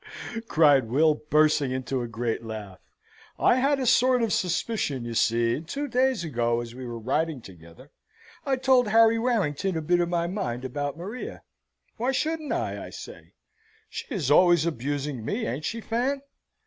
cried Will, bursting into a great laugh. "I had a sort of a suspicion, you see, and two days ago, as we were riding together, I told Harry Warrington a bit of my mind about Maria; why shouldn't I, I say? She is always abusing me, ain't she, Fan?